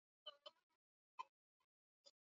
serikali ya baghdad ilivyoamua kuingia kanisani